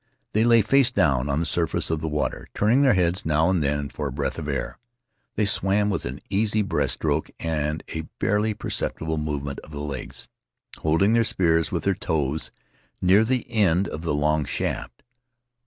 They lay face down on the surface of the water, turning their heads now and then for a breath of air. They swam with an easy breast stroke and a barely perceptible movement of the legs, holding their spears with their toes, near the end of the long shaft.